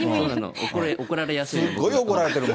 怒られやすいの。